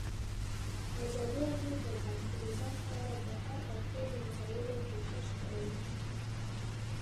ازادي راډیو د بانکي نظام په اړه د هر اړخیزو مسایلو پوښښ کړی.